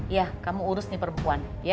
ya kamu urus nih perempuan